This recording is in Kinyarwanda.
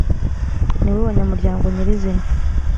nibo banyamuryango nyir izina